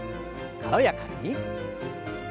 軽やかに。